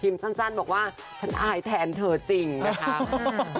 สั้นบอกว่าฉันอายแทนเธอจริงนะคะ